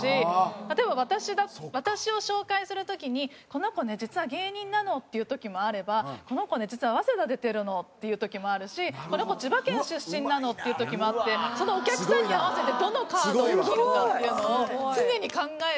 例えば私を紹介する時に「この子ね実は芸人なの」って言う時もあれば「この子ね実は早稲田出てるの」って言う時もあるし「この子千葉県出身なの」って言う時もあってそのお客さんに合わせてどのカードを切るかっていうのを常に考えて。